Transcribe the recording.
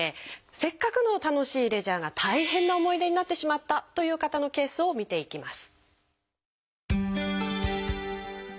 せっかくの楽しいレジャーが大変な思い出になってしまったという方のケースを見ていきます。